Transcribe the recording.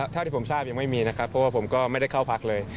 เท่าที่ผมทราบยังไม่มีนะครับเพราะว่าผมก็ไม่ได้เข้าพักเลย